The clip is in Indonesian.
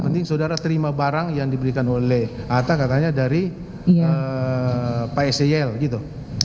mending sudara terima barang yang diberikan oleh hatta katanya dari pak sl gitu